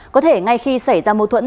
có thể ngay khi xảy ra mâu thuẫn